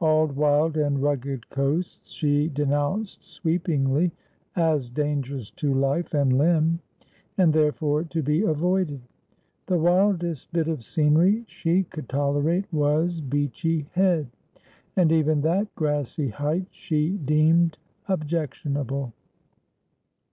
All wild and rugged coasts she denounced sweepingly, as dangerous to life and limb, and therefore to be avoided. The wildest bit of scenery she could tolerate was Beachy Head ; and even that grassy height she deemed objectionable.